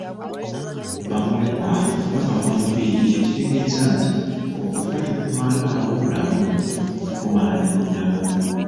Ba mulekwa babamwa enviiri ekitegeeza nti okufa tekumalaawo bulamu, bumala ne buddawo